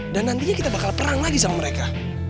nantinya kita bakal perang lagi sama mereka